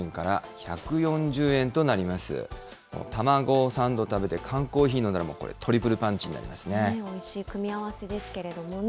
たまごサンド食べて缶コーヒー飲んだら、これ、トリプルパンチにおいしい組み合わせですけれどもね。